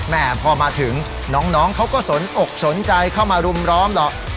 แม่พอมาถึงน้องเขาก็สนอกสนใจเข้ามารุมร้อมหรอก